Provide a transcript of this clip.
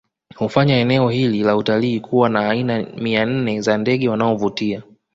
Hufanya eneo hili la utalii kuwa na aina mia nne za ndege wanaovutia